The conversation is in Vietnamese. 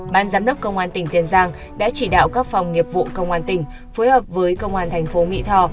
ban giám đốc công an tỉnh tiền giang đã chỉ đạo các phòng nghiệp vụ công an tỉnh phối hợp với công an thành phố mỹ thò